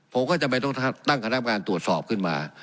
ผมก็จำเป็นต้องตั้งคณะงานตรวจสอบขึ้นมา